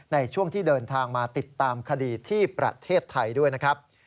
ในช่วงที่เดินทางมาติดตามคดีที่ประเทศไทยด้วยนะครับ